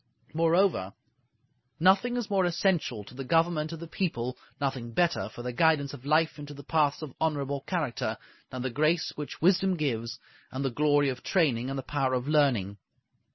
Moreover, nothing is more essential to the government of the people, nothing better for the guidance of life into the paths of honorable character, than the grace which wisdom gives, and the glory of training and the power of learning.